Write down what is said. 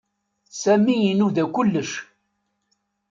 Sami inuda kullec.